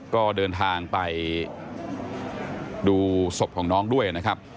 ก็เดินทางไปดูศพของน้องด้วยนะครับ